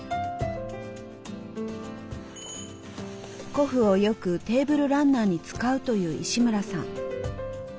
古布をよくテーブルランナーに使うという石村さん。